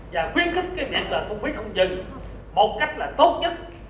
và khuyến khích cái việc là thu phí không dừng một cách là tốt nhất